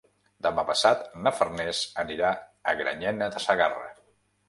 Demà passat na Farners anirà a Granyena de Segarra.